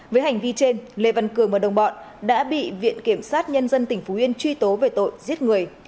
với hành vi trên lê văn cường và đồng bọn đã bị viện kiểm sát nhân dân tỉnh phú yên truy tố về tội giết người